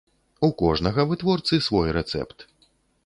У кожнага вытворцы свой рэцэпт.